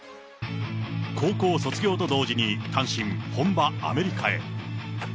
高校卒業と同時に単身、本場アメリカへ。